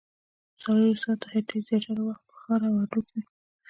څلورویشت ساعته هټۍ زیاتره وخت په ښار او هډو کې وي